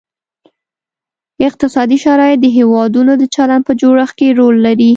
اقتصادي شرایط د هیوادونو د چلند په جوړښت کې رول لري